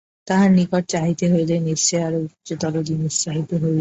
তাঁহার নিকট চাহিতে হইলে নিশ্চয়ই আরও উচ্চতর জিনিষ চাহিতে হইবে।